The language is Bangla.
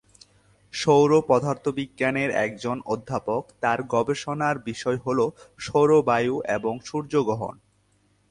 সৌর পদার্থবিজ্ঞানের একজন অধ্যাপক, তার গবেষণার বিষয় হল সৌর বায়ু এবং সূর্যগ্রহণ।